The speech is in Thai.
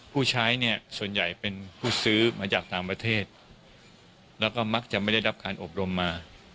ผู้ใช้เนี่ยส่วนใหญ่เป็นผู้ซื้อมาจากต่างประเทศแล้วก็มักจะไม่ได้รับการอบรมมา